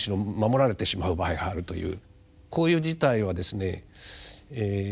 こういう事態はですねえ